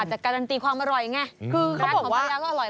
อาจจะการันตีความอร่อยไงคือเขาบอกว่าร้านของภรรยาก็อร่อย